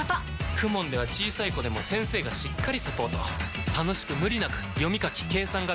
ＫＵＭＯＮ では小さい子でも先生がしっかりサポート楽しく無理なく読み書き計算が身につきます！